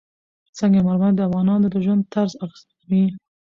سنگ مرمر د افغانانو د ژوند طرز اغېزمنوي.